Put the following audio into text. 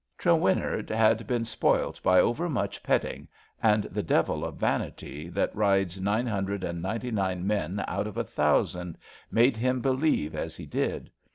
Trewinnard had been spoilt by over much pet ting, and the devil of vanity that rides nine hundred and ninety nine men out of a thousand made him believe as he did.